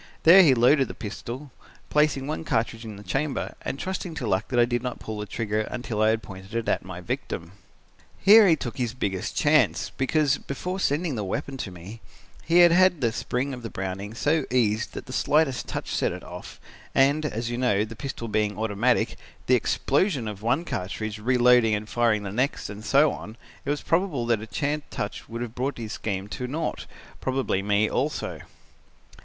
There he loaded the pistol, placing one cartridge in the chamber, and trusting to luck that I did not pull the trigger until I had it pointed at my victim. Here he took his biggest chance, because, before sending the weapon to me, he had had the spring of the Browning so eased that the slightest touch set it off and, as you know, the pistol being automatic, the explosion of one cartridge, reloading and firing the next and so on, it was probably that a chance touch would have brought his scheme to nought probably me also.